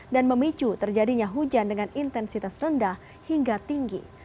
dan memicu terjadinya hujan dengan intensitas rendah hingga tinggi